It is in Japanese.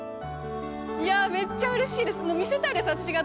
いやあめっちゃ嬉しいです。